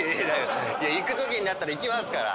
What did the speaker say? いくときになったらいきますから。